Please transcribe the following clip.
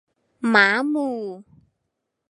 หมาหมู่